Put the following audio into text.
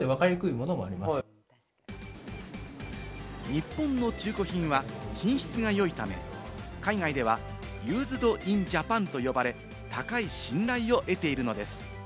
日本の中古品は品質が良いため、海外ではユーズド・イン・ジャパンと呼ばれ、高い信頼を得ているのです。